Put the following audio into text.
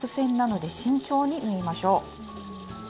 ここは曲線なので慎重に縫いましょう。